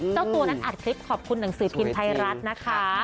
เจ้าตัวนั้นอัดคลิปขอบคุณหนังสือพิมพ์ไทยรัฐนะคะ